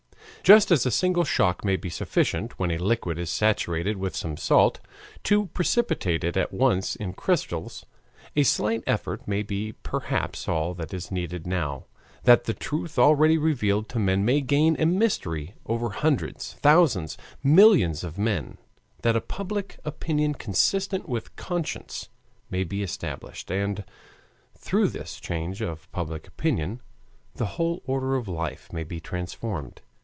Just as a single shock may be sufficient, when a liquid is saturated with some salt, to precipitate it at once in crystals, a slight effort may be perhaps all that is needed now that the truth already revealed to men may gain a mastery over hundreds, thousands, millions of men, that a public opinion consistent with conscience may be established, and through this change of public opinion the whole order of life may be transformed.